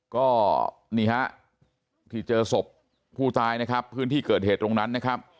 ก็นี่ฮะที่เจอศพผู้ตายนะครับพื้นที่เกิดเหตุตรงนั้นนะครับ